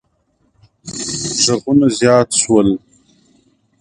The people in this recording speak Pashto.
غږونه زیات شول.